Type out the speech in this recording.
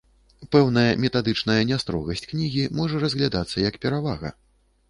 Пэўная метадычная нястрогасць кнігі можа разглядацца як перавага.